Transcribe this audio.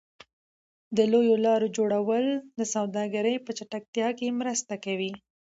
د لویو لارو جوړول د سوداګرۍ په چټکتیا کې مرسته کوي.